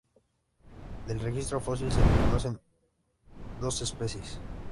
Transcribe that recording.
Del registro fósil se reconocen dos especies.